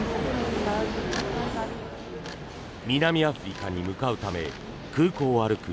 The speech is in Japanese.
南アフリカに向かうため空港を歩く